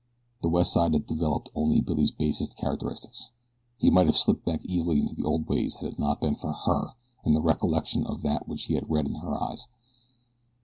The West Side had developed only Billy's basest characteristics. He might have slipped back easily into the old ways had it not been for HER and the recollection of that which he had read in her eyes.